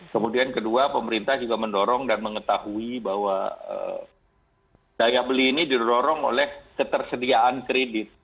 kemudian kedua pemerintah juga mendorong dan mengetahui bahwa daya beli ini didorong oleh ketersediaan kredit